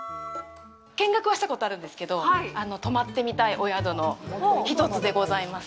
見学はしたことあるんですけど、泊まってみたいお宿の一つでございます。